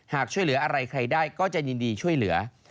หากช่วยอะไรใครได้ก็จะยินดีช่วยเหลือ